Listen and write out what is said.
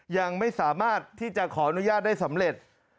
ยังไม่สามารถที่จะขออนุญาตได้สำเร็จ